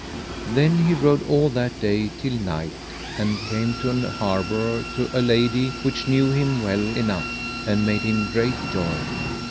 Then he rode all that day till night, and came to an harbour to a lady which knew him well enough, and made of him great Joy.